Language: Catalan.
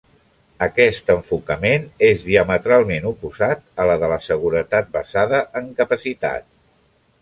Aquest enfocament és diametralment oposat a la de la seguretat basada en capacitat.